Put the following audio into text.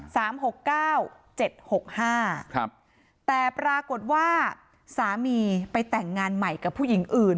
หกเก้าเจ็ดหกห้าครับแต่ปรากฏว่าสามีไปแต่งงานใหม่กับผู้หญิงอื่น